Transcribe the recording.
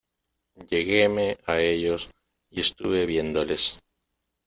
lleguéme a ellos y estuve viéndoles.